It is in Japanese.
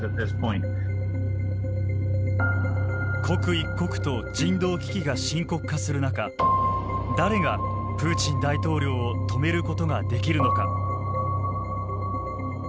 刻一刻と人道危機が深刻化する中誰がプーチン大統領を止めることができるのか。